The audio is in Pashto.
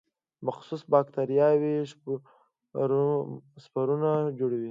مخصوص باکتریاوې سپورونه جوړوي.